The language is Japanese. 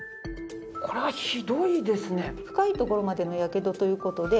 これはひどいですね。